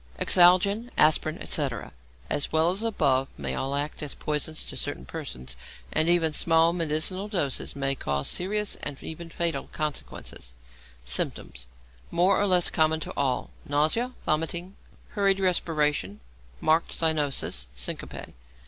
=Exalgin, Aspirin, etc.=, as well as the above, may all act as poisons to certain persons, and even small medicinal doses may cause serious and even fatal consequences. Symptoms (more or less common to all). Nausea, vomiting, hurried respiration, marked cyanosis, syncope.